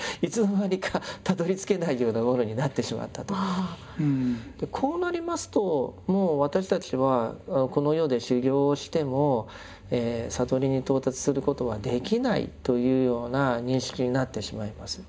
まあある意味でこうなりますともう私たちはこの世で修行しても悟りに到達することはできないというような認識になってしまいます。